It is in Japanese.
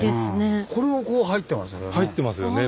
これもこう入ってますよね。